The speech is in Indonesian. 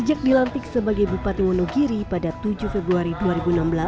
sejak dilantik sebagai bupati wonogiri pada tujuh februari dua ribu enam belas